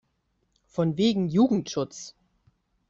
Von wegen Jugendschutz!